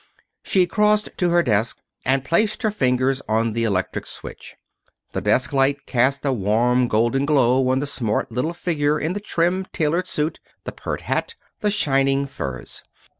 She crossed to her desk and placed her fingers on the electric switch. The desk light cast a warm golden glow on the smart little figure in the trim tailored suit, the pert hat, the shining furs.